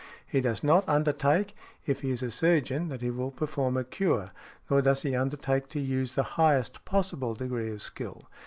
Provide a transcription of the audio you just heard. He does not undertake, if he is a surgeon, that he will perform a cure, nor does he undertake to use the highest possible degree of skill.